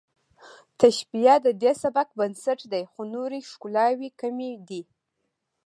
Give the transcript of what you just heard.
تشبیه د دې سبک بنسټ دی خو نورې ښکلاوې کمې دي